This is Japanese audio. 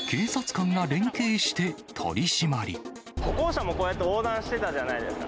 歩行者もこうやって横断してたじゃないですか。